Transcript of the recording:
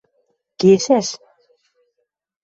– Кешӓш.